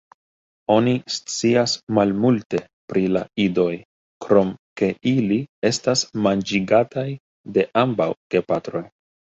Oni scias malmulte pri la idoj, krom ke ili estas manĝigataj de ambaŭ gepatroj.